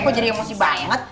kok jadi emosi banget